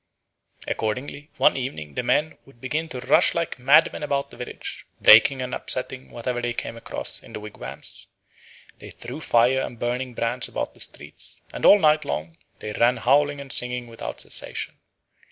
Accordingly, one evening the men would begin to rush like madmen about the village, breaking and upsetting whatever they came across in the wigwams. They threw fire and burning brands about the streets, and all night long they ran howling and singing without cessation.